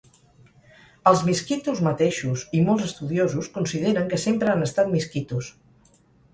Els miskitos mateixos i molts estudiosos consideren que sempre han estat miskitos.